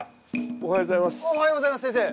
おはようございます先生。